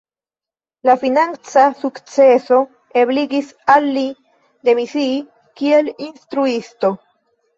La financa sukceso ebligis al li demisii kiel instruisto.